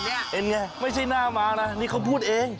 นี่เป็นไงไม่ใช่หน้าม้านะนี่เขาพูดเอง